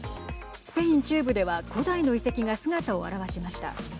スペイン中部では古代の遺跡が姿を現しました。